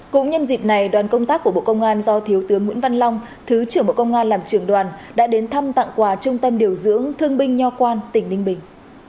cũng nhân dịp này đoàn công tác của bộ công an do thiếu tướng nguyễn văn long thứ trưởng bộ công an làm trưởng đoàn đã đến thăm tặng quà trung tâm điều dưỡng thương binh nho quan tỉnh ninh bình